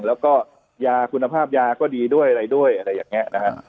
แล้วก็ยาคุณภาพยาก็ดีด้วยอะไรด้วยอะไรอย่างนี้นะฮะ